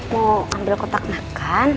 mau ambil kotak makan